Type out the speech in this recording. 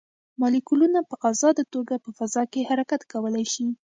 مالیکولونه په ازاده توګه په فضا کې حرکت کولی شي.